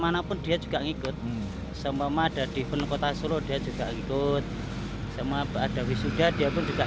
manapun dia juga ngikut seumpama ada di event kota solo dia juga ikut sama ada wisuda dia pun juga